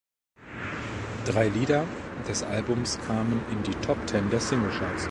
Drei Lieder des Albums kamen in die Top Ten der Singlecharts.